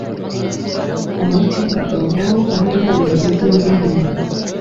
Umuti wumugabo umwe nuburozi bwundi muntu